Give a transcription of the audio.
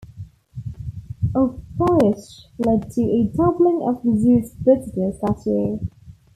Obaysch led to a doubling of the zoo's visitors that year.